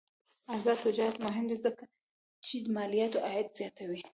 آزاد تجارت مهم دی ځکه چې مالیاتي عاید زیاتوي.